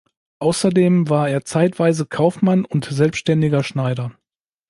Außerdem war er zeitweise Kaufmann und selbstständiger Schneider.